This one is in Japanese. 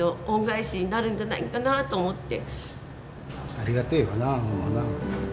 ありがてえわなホンマな。